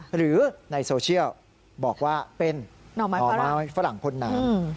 หรือในโซเชียลบอกว่าเป็นหน่อไม้ฝรั่งหน่อไม้ฝรั่งพ่นน้ำอืม